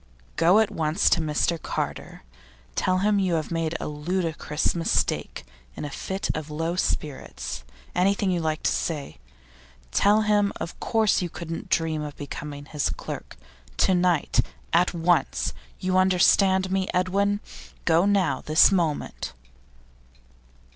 'Go at once to Mr Carter. Tell him you have made a ludicrous mistake in a fit of low spirits; anything you like to say. Tell him you of course couldn't dream of becoming his clerk. To night; at once! You understand me, Edwin? Go now, this moment.